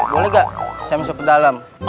boleh gak saya masuk ke dalam